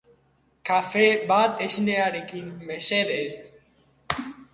kafe bat esnearekin mesedez